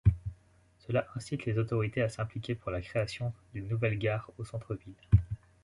Cela incite les autorités à s'impliquer pour la création d'une nouvelle gare au centre-ville.